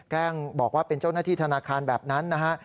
แกล้งบอกว่าเป็นเจ้าหน้าที่ธนาคารแบบนั้นนะฮะ